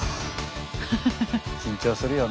緊張するよね。